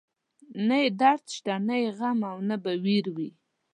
نه يې درد شته، نه يې غم او نه به وير وي